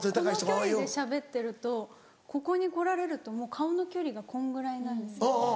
この距離でしゃべってるとここに来られると顔の距離がこんぐらいなんですよ。